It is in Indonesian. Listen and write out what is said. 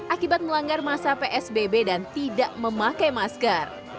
akibat melanggar masa psbb dan tidak memakai masker